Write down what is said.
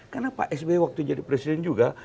kenapa pak sbe waktu jadi presiden juga